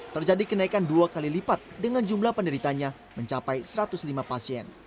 terjadi kenaikan dua kali lipat dengan jumlah penderitanya mencapai satu ratus lima pasien